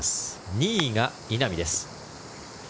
２位が稲見です。